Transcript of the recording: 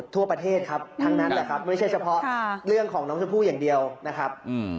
ทั่วประเทศครับทั้งนั้นแหละครับไม่ใช่เฉพาะเรื่องของน้องชมพู่อย่างเดียวนะครับ